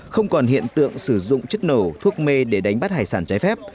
không còn hiện tượng sử dụng chất nổ thuốc mê để đánh bắt hải sản trái phép